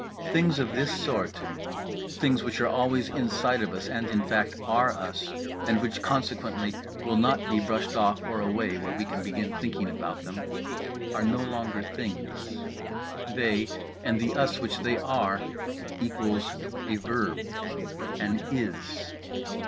Things of this sort—things which are always inside of us and, in fact, are us and which consequently will not be pushed off or away where we can begin thinking about them—are no longer things; they, and the us which they are, equals A Verb; an IS.